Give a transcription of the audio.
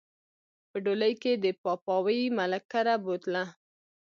په ډولۍ کښې د پاپاوي ملک کره بوتله